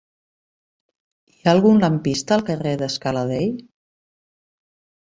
Hi ha algun lampista al carrer de Scala Dei?